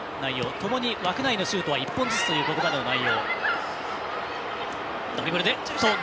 ともに枠内のシュートは１本ずつというここまでの内容。